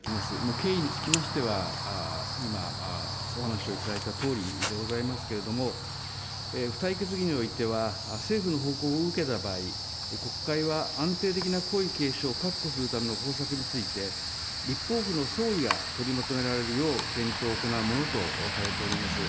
経緯につきましては、今、お話をいただいたとおりでございますけれども、付帯決議においては、政府の報告を受けた場合、国会は安定的な皇位継承を確保するための方策について、立法府の総意が取りまとめられるよう、検討を行うものとされております。